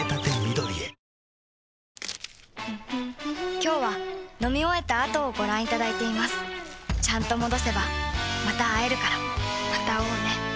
今日は飲み終えた後をご覧いただいていますちゃんと戻せばまた会えるからまた会おうね。